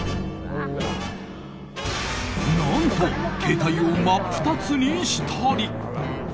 何と、携帯を真っ二つにしたり。